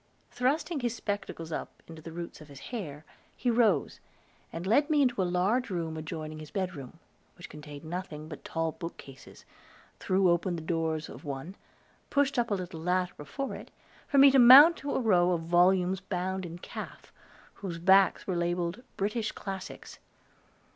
Thrusting his spectacles up into the roots of his hair, he rose, and led me into a large room adjoining his bedroom, which contained nothing but tall bookcases, threw open the doors of one, pushed up a little ladder before it, for me to mount to a row of volumes bound in calf, whose backs were labeled "British Classics."